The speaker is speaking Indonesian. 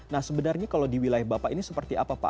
nah sebenarnya kalau di wilayah bapak ini seperti apa pak